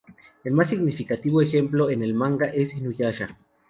El más significativo ejemplo en el manga es InuYasha.